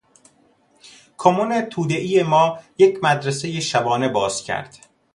کمون تودهای ما یک مدرسهٔ شبانه باز کرد.